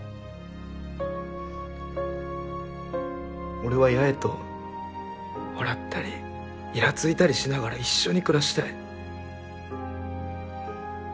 俺は八重と笑ったりいらついたりしながら一緒に暮らしたい。